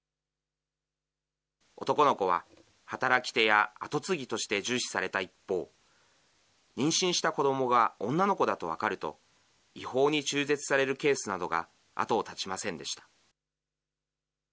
男の子は、働き手や後継ぎとして重視された一方、妊娠した子どもが女の子だと分かると、違法に中絶させるケースなどが後を絶ちませんでした。